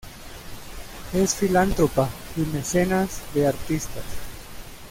Es filántropa y mecenas de artistas.